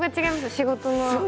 仕事の。